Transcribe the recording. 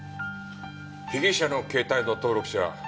被疑者の携帯の登録者